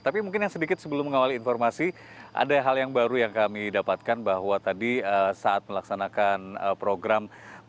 tapi mungkin yang sedikit sebelum mengawali informasi ada hal yang baru yang kami dapatkan bahwa tadi saat melaksanakan program